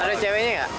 ada ceweknya nggak